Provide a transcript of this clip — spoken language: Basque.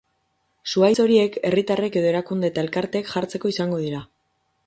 Zuhaitz horiek herritarrek edo erakunde eta elkarteek jartzeko izango dira.